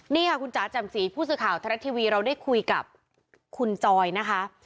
นี่ค่ะคุณจ๋าแจ่มสีผู้สื่อข่าวทรัฐทีวีเราได้คุยกับคุณจอยนะคะ